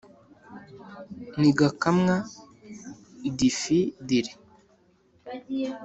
ntigakamwa difi diri